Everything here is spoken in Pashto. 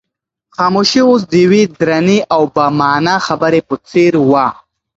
خاموشي اوس د یوې درنې او با مانا خبرې په څېر وه.